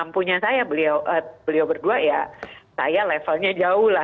punya saya beliau berdua ya saya levelnya jauh lah